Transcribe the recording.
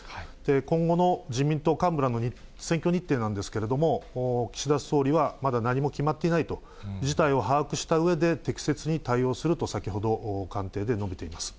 今後の自民党幹部らの選挙日程なんですけれども、岸田総理は、まだ何も決まっていないと、事態を把握したうえで、適切に対応すると先ほど、官邸で述べています。